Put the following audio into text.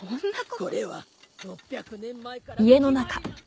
これは６００年前からの決まり。